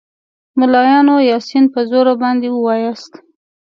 ملایانو یاسین په زوره باندې ووایاست.